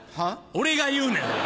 俺が言うねんそれ。